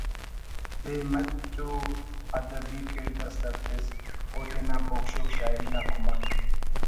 بے مٹ و ءُ ادبی کڑد سر تس او تینا بوگ شوگ شاعری نا کمک